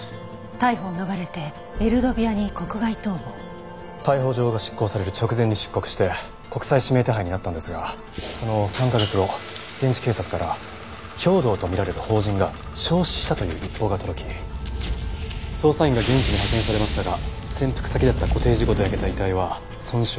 「逮捕を逃れてエルドビアに国外逃亡」逮捕状が執行される直前に出国して国際指名手配になったんですがその３カ月後現地警察から兵働と見られる邦人が焼死したという一報が届き捜査員が現地に派遣されましたが潜伏先だったコテージごと焼けた遺体は損傷も激しく。